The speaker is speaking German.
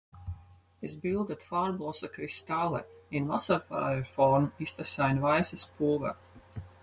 Es bildet farblose Kristalle, in wasserfreier Form ist es ein weißes Pulver.